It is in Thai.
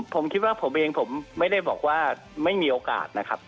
ผมคิดว่าผมเองผมไม่ได้บอกว่าไม่มีโอกาสนะครับ